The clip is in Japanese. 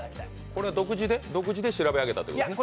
これは独自で調べ上げたということね？